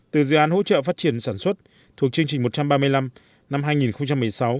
từ dự án hỗ trợ phát triển sản xuất thuộc chương trình một trăm ba mươi năm năm hai nghìn một mươi sáu